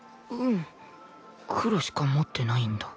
黒しか持ってないんだ